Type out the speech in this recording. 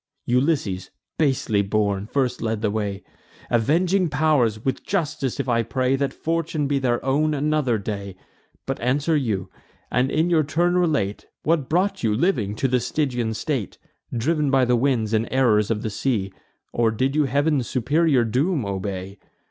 Ulysses, basely born, first led the way. Avenging pow'rs! with justice if I pray, That fortune be their own another day! But answer you; and in your turn relate, What brought you, living, to the Stygian state: Driv'n by the winds and errors of the sea, Or did you Heav'n's superior doom obey?